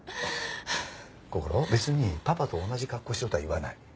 こころ別にパパと同じ格好しろとは言わない。